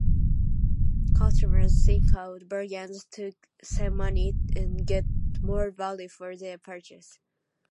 Customers seek out bargains to save money and get more value for their purchase.